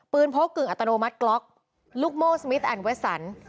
โพกกึ่งอัตโนมัติกล็อกลูกโม่สมิทแอนดเวสสัน